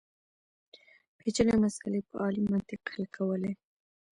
پېچلې مسلې په عالي منطق حل کولې.